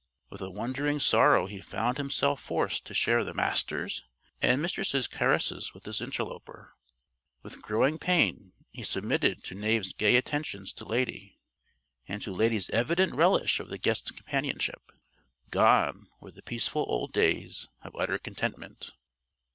With a wondering sorrow he found himself forced to share the Master's and Mistress' caresses with this interloper. With growing pain he submitted to Knave's gay attentions to Lady, and to Lady's evident relish of the guest's companionship. Gone were the peaceful old days of utter contentment.